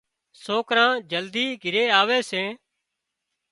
سوڪران جلدي گھري آوي سي